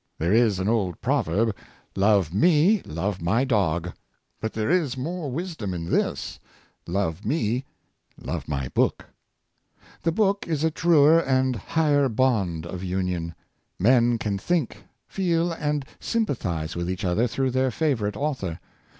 There is an old proverb, Love me, love my dog.'' But there is more wisdom in this: " Love me, love my book." The book is a Cojnpanionsliip of Books, 545 truer and higher bond of union. Men can think, feel and sympathize with each other through their favorite author.